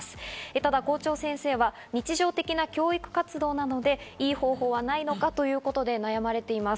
ただ校長先生は日常的な教育活動なので、いい方法はないのかということで悩まれています。